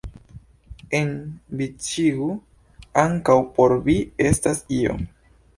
Enviciĝu, ankaŭ por Vi estas io.